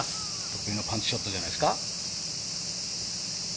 得意のパンチショットじゃないですか？